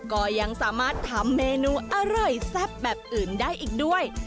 ก็ยังสามารถทำเมนูอร่อยแซ่บแบบอื่นได้อีกด้วย